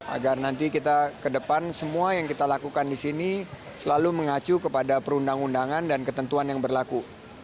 agar nanti kita ke depan semua yang kita lakukan di sini selalu mengacu kepada perundang undangan dan ketentuan yang berlaku